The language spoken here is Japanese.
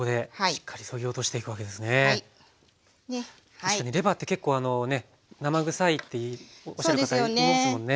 確かにレバーって結構あのね生臭いっておっしゃる方いますもんね。